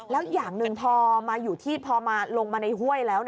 แล้วอย่างหนึ่งพอมาอยู่ที่พอมาลงมาในห้วยแล้ว